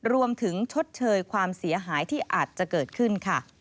ชดเชยความเสียหายที่อาจจะเกิดขึ้นค่ะ